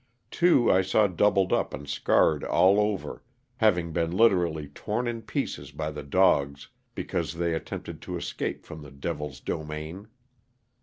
Two I saw doubled up and scarred all over, having been literally torn in pieces by the dogs, because they attempted to escape from the devil's domain.